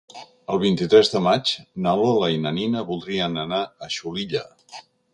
El vint-i-tres de maig na Lola i na Nina voldrien anar a Xulilla.